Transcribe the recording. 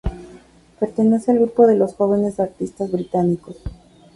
Pertenece al grupo de los Jóvenes Artistas Británicos.